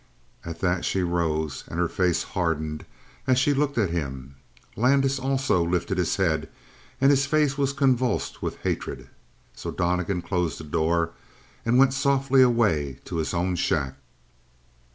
At that she rose and her face hardened as she looked at him. Landis, also, lifted his head, and his face was convulsed with hatred. So Donnegan closed the door and went softly away to his own shack.